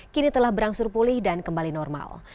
kini telah berangsur pulih dan kembali normal